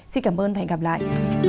xin cảm ơn và hẹn gặp lại